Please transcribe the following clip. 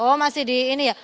oh masih di ini ya